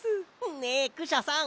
ねえクシャさん